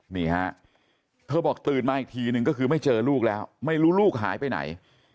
นี่ฮะเธอบอกตื่นมาอีกทีนึงก็คือไม่เจอลูกแล้วไม่รู้ลูกหายไปไหน